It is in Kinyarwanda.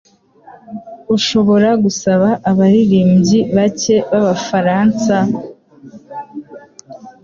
Ushobora gusaba abaririmbyi bake b'Abafaransa?